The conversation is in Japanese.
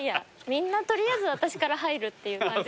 みんな取りあえず私から入るっていう感じ。